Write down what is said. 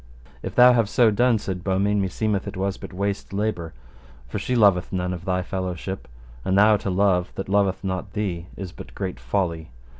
If thou have so done, said Beaumains, meseemeth it was but waste labour, for she loveth none of thy fellowship, and thou to love that loveth not thee is but great folly.